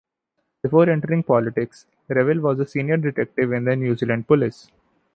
Before entering politics, Revell was a senior detective in the New Zealand Police.